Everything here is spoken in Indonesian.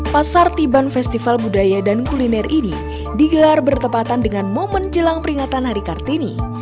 pasar tiban festival budaya dan kuliner ini digelar bertepatan dengan momen jelang peringatan hari kartini